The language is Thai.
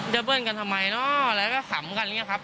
เบิ้ลกันทำไมเนอะแล้วก็ขำกันอย่างนี้ครับ